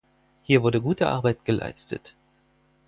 Hier wurde gute Arbeit geleistet.